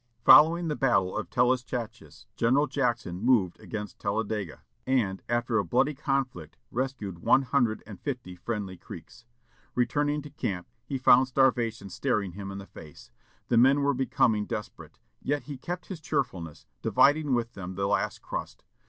Following the battle of Talluschatches, General Jackson moved against Talladega, and, after a bloody conflict, rescued one hundred and fifty friendly Creeks. Returning to camp, he found starvation staring him in the face. The men were becoming desperate; yet he kept his cheerfulness, dividing with them the last crust.